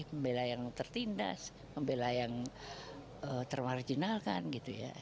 membela yang tertindas membela yang termarjinalkan gitu ya